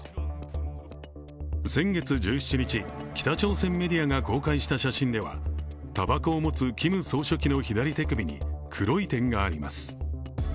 先月１７日、北朝鮮メディアが公開した写真ではたばこを持つキム総書記の左手首に黒い点があります。